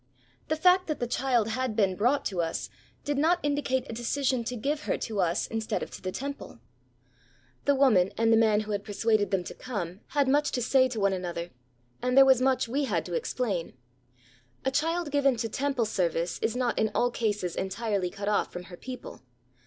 The fact that the child had been brought to us did not indicate a decision to give her to us instead of to the Temple. The woman and the man who had persuaded them to come had much to say to one another, and there was much we had to explain. A child given to Temple service is not in all cases entirely cut off from her people.